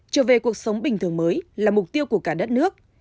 trở về cuộc sống bình thường mới là mục tiêu của cả đất nước